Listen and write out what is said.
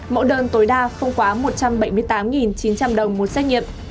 mẫu đơn tối đa không quá một trăm bảy mươi tám chín trăm linh đồng một xét nghiệm